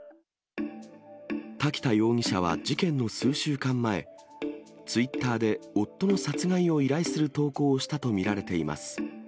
滝田容疑者は事件の数週間前、ツイッターで夫の殺害を依頼する投稿をしたと見られています。